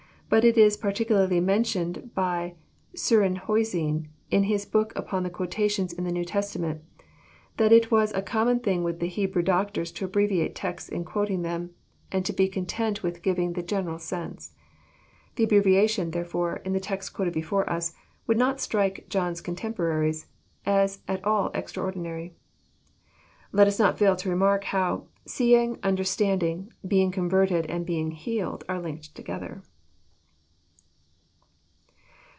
But it iB particularly mentioned by Surenhusine, in his book upon the quotations in the New Testament, that it was a common thing with the Hebrew doctors to abbreviate texts in quoting them, and to be content with giving the general sense. The abbrevi ation, therefore, in the text quoted before us, would not strike John's cotemporaries as at all extraordinary. Let us not fail to remark how " seeing, understanding, being converted, and being healed," are linked together.